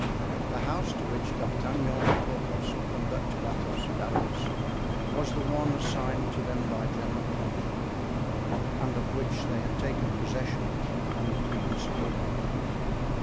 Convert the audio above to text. The house to which D'Artagnan and Porthos conducted Athos and Aramis was the one assigned to them by General Cromwell and of which they had taken possession on the previous evening.